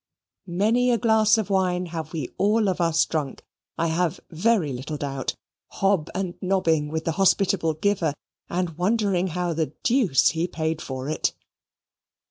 Many a glass of wine have we all of us drunk, I have very little doubt, hob and nobbing with the hospitable giver and wondering how the deuce he paid for it.